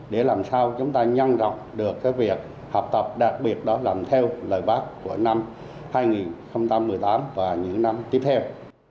để làm sao chúng ta nhân rộng được cái việc học tập đặc biệt đó làm theo lời bác của năm hai nghìn một mươi tám và những năm tiếp theo